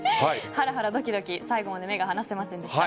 ハラハラドキドキ最後まで目が離せませんでした。